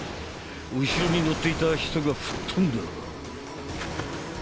後ろに乗っていた人が吹っ飛んだ！